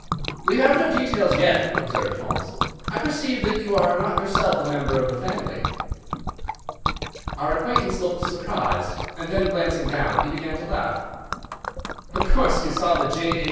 "We have had no details yet," observed Holmes. "I perceive that you are not yourself a member of the family." Our acquaintance looked surprised, and then, glancing down, he began to laugh. "Of course you saw the 'J.H.